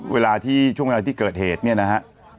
เวลาที่ช่วงเวลาที่เกิดเหตุเนี่ยนะฮะ